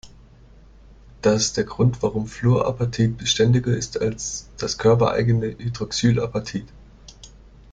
Das ist der Grund, warum Fluorapatit beständiger ist als das körpereigene Hydroxylapatit.